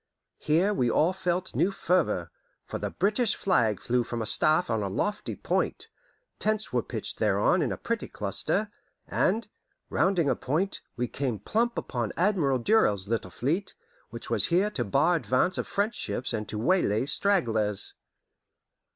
Here we all felt new fervour, for the British flag flew from a staff on a lofty point, tents were pitched thereon in a pretty cluster, and, rounding a point, we came plump upon Admiral Durell's little fleet, which was here to bar advance of French ships and to waylay stragglers.